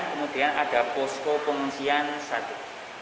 kemudian ada posko pengungsian satu